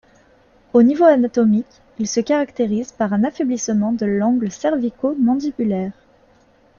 Au niveau anatomique, il se caractérise par un affaiblissement de l'angle cervico-mandibulaire.